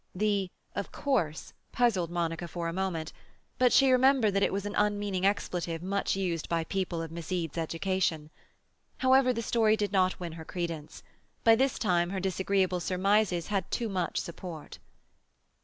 The "of course" puzzled Monica for a moment, but she remembered that it was an unmeaning expletive much used by people of Miss Eade's education. However, the story did not win her credence; by this time her disagreeable surmises had too much support.